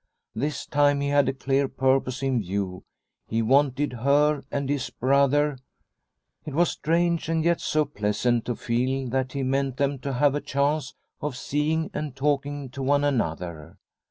This time he had a clear purpose in view, he wanted her and his brother ... It was strange and yet so pleasant to feel that he meant them to have a chance of seeing and talking to one another.